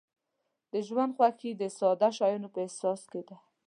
د ژوند خوښي د ساده شیانو په احساس کې ده.